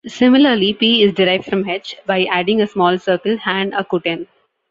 Similarly, "p" is derived from "h" by adding a small circle, "handakuten".